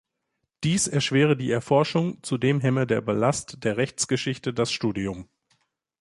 Dies erschwere die Erforschung, zudem hemme der Ballast der Rechtsgeschichte das Studium.